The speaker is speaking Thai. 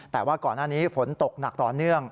แต่ว่าก่อนหน้านี้ฝนตกหนักต่อเนื่อง